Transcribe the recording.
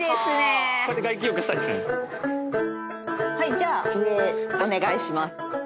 じゃ上へお願いします。